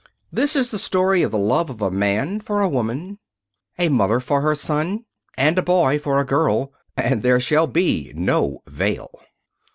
This is the story of the love of a man for a woman, a mother for her son, and a boy for a girl. And there shall be no veil.